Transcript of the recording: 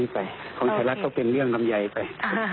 ภาษาลักษณ์ก็เป็นเรื่องกำไยไป